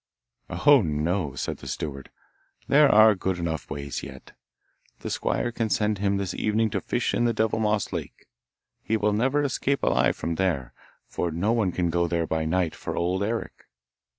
'Oh, no' said the steward, 'there are good enough ways yet. The squire can send him this evening to fish in Devilmoss Lake: he will never escape alive from there, for no one can go there by night for Old Eric.